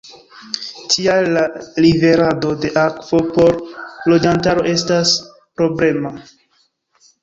Tial la liverado de akvo por loĝantaro estas problema.